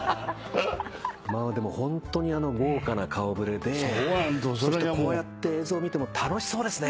でもホントに豪華な顔触れでそしてこうやって映像を見ても楽しそうですね。